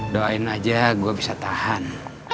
doain aja gue bisa tahan